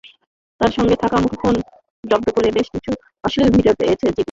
তাঁর সঙ্গে থাকা মুঠোফোন জব্দ করে বেশ কিছু অশ্লীল ভিডিও পেয়েছে ডিবি।